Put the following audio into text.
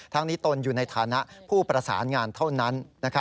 ทั้งนี้ตนอยู่ในฐานะผู้ประสานงานเท่านั้น